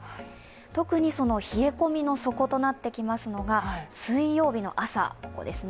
特に冷え込みの底となってきますのが水曜日の朝です。